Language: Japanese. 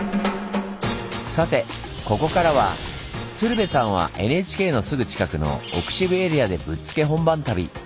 さてここからは鶴瓶さんはＮＨＫのすぐ近くの奥渋エリアでぶっつけ本番旅。